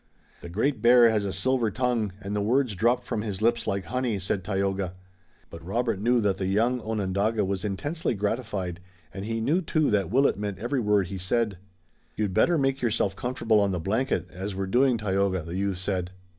"The Great Bear has a silver tongue, and the words drop from his lips like honey," said Tayoga. But Robert knew that the young Onondaga was intensely gratified and he knew, too, that Willet meant every word he said. "You'd better make yourself comfortable on the blanket, as we're doing, Tayoga," the youth said.